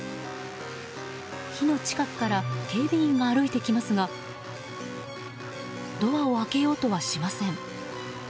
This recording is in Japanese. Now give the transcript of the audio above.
火の近くから警備員が歩いてきますがドアを開けようとはしません。